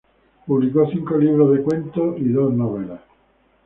Publicó cinco libros de cuentos y dos novelas.